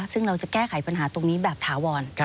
ซึ่งเราจะแก้ไขปัญหาตรงนี้แบบถาวร